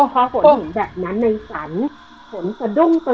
พอผลเห็นแบบนั้นในฝรั่งผลจะดขนตื่น